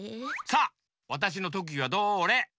さあわたしのとくぎはどれ？